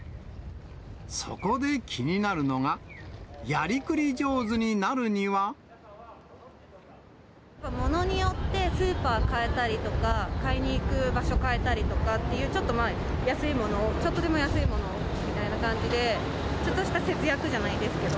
そこで気になるのが、ものによってスーパーを変えたりとか、買いに行く場所変えたりとかっていう、ちょっと安いものを、ちょっとでも安いものをみたいな感じで、ちょっとした節約じゃないですけど。